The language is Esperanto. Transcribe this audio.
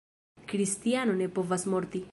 Kristiano ne povas morti.